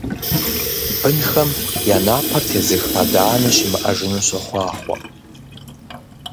Бынхэм я напэр тезых адэ-анэ щымыӀэжыну сохъуахъуэ!